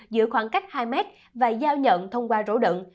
giữa khoảng cách hai mét và giao nhận thông qua rỗ đựng